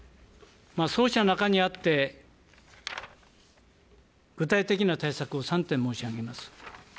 そうした中にあって、具体的な対策を３点申し上げます。